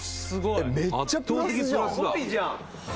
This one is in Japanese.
すごいじゃん！